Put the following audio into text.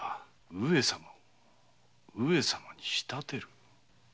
上様を上様に仕立てる？